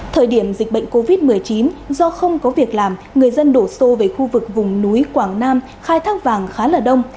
thời điểm dịch bệnh covid một mươi chín do không có việc làm người dân đổ xô về khu vực vùng núi quảng nam khai thác vàng khá là đông